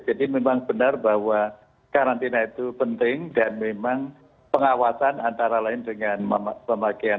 jadi memang benar bahwa karantina itu penting dan memang pengawasan antara lain dengan pemakaian